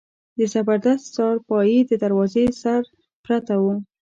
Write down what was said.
د زبردست څارپايي د دروازې سره پرته وه.